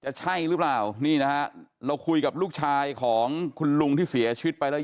ใช่หรือเปล่านี่นะฮะเราคุยกับลูกชายของคุณลุงที่เสียชีวิตไปแล้ว